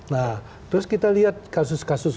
nah terus kita lihat kasus kasus